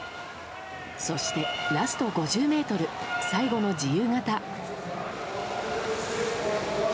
そして、ラスト５０ｍ最後の自由形。